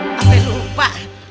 eh sampe lupa